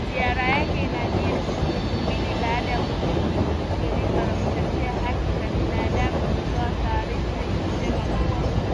Ziara yake inajiri wiki mbili baada ya shirika la kutetea haki za binadamu kutoa taarifa ikisema kuwa